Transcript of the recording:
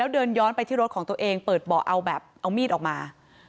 เดินย้อนไปที่รถของตัวเองเปิดเบาะเอาแบบเอามีดออกมา